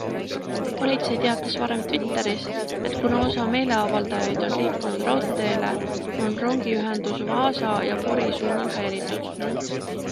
Politsei teatas varem Twitteris, et kuna osa meeleavaldajaid on liikunud raudteele, on rongiühendus Vaasa ja Pori suunal häiritud.